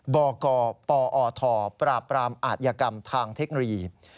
บกปอทปราบปรามอาธิกรรมทางเทคโนโลยี